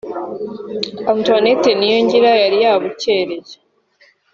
Antoinette Niyongira yari yabukereye